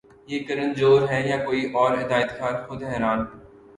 یہ کرن جوہر ہیں یا کوئی اور ہدایت کار خود حیران